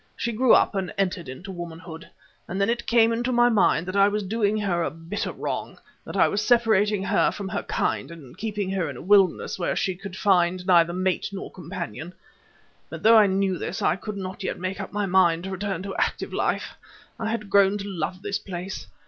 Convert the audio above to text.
She grew up and entered into womanhood, and then it came into my mind that I was doing her a bitter wrong, that I was separating her from her kind and keeping her in a wilderness where she could find neither mate nor companion. But though I knew this, I could not yet make up my mind to return to active life; I had grown to love this place.